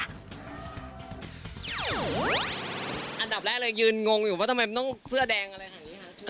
อันดับแรกเลยยืนงงอยู่ว่าทำไมมันต้องเสื้อแดงอะไรขนาดนี้คะ